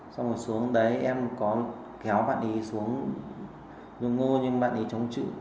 xong rồi xuống đấy em có kéo bạn ấy xuống nhường ngô nhưng bạn ấy chống chịu